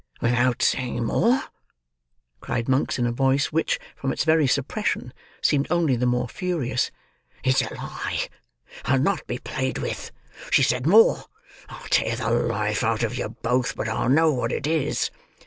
"Without saying more?" cried Monks, in a voice which, from its very suppression, seemed only the more furious. "It's a lie! I'll not be played with. She said more. I'll tear the life out of you both, but I'll know what it was."